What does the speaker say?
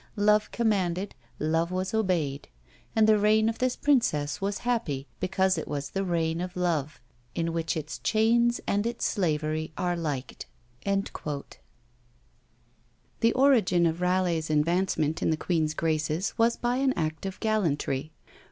Love commanded, love was obeyed; and the reign of this princess was happy, because it was the reign of Love, in which its chains and its slavery are liked!" The origin of Raleigh's advancement in the queen's graces was by an act of gallantry.